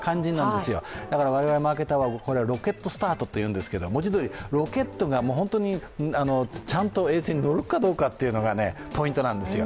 ですから、我々マーケターはこれはロケットスタートというんですけど、文字どおりロケットがちゃんと衛星に届くかというのがポイントなんですよ。